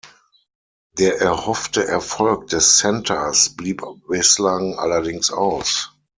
Der erhoffte Erfolg des Centers blieb bislang allerdings aus.